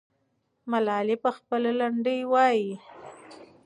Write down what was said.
ملالۍ به خپلې لنډۍ وایي.